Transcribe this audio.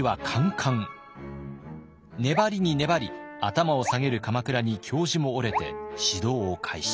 粘りに粘り頭を下げる鎌倉に教授も折れて指導を開始。